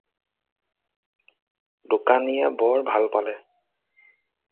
দোকানীয়ে বৰ ভাল পালে।